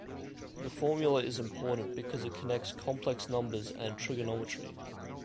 The formula is important because it connects complex numbers and trigonometry.